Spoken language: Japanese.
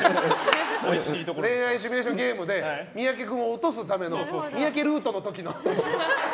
恋愛シミュレーションゲームで三宅君を落とすための三宅ルートの時の。